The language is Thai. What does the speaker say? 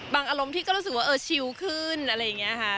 อารมณ์ที่ก็รู้สึกว่าเออชิลขึ้นอะไรอย่างนี้ค่ะ